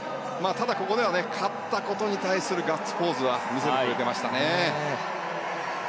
ただここでは勝ったことに対するガッツポーズは見せてくれていましたね。